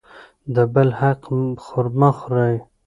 د بل حق مه خورئ.